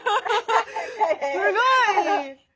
すごい。